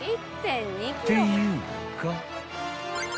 ［っていうか］